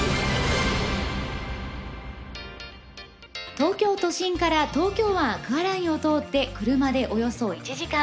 東京都心から東京湾アクアラインを通って車でおよそ１時間。